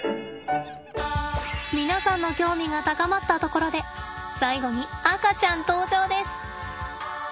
皆さんの興味が高まったところで最後に赤ちゃん登場です。